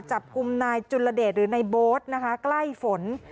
จับกลุ่มนายจุลเดชหรือในโบ๊ทนะคะใกล้ฝน